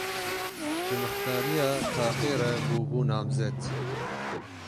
Ji mixtariya taxê re bûbû namzet.